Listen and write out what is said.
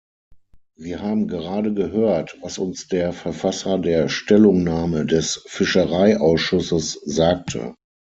Wir haben gerade gehört, was uns der Verfasser der Stellungnahme des Fischereiausschusses sagte.